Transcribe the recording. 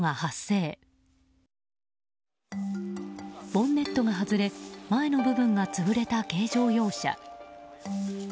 ボンネットが外れ前の部分が潰れた軽乗用車。